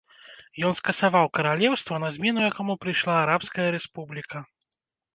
Ён скасаваў каралеўства, на змену якому прыйшла арабская рэспубліка.